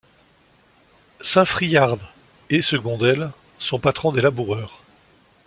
Saints Friard et Secondel sont patrons des laboureurs.